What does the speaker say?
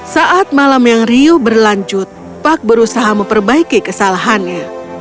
saat malam yang riuh berlanjut pak berusaha memperbaiki kesalahannya